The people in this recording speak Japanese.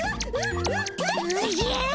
おじゃ。